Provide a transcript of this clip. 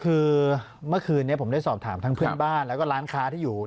คือเมื่อคืนนี้ผมได้สอบถามทั้งเพื่อนบ้านแล้วก็ร้านค้าที่อยู่